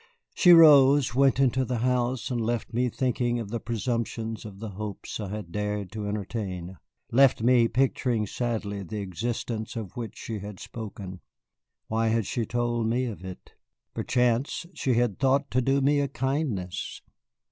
She rose, went into the house, and left me thinking of the presumptions of the hopes I had dared to entertain, left me picturing sadly the existence of which she had spoken. Why had she told me of it? Perchance she had thought to do me a kindness!